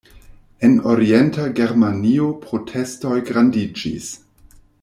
En orienta Germanio protestoj grandiĝis.